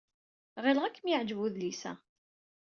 Ɣileɣ ad kem-yeɛjeb udlis-a.